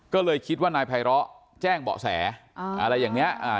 ก็เลยคิดว่านายไพร้อแจ้งเบาะแสอ่าอะไรอย่างเนี้ยอ่า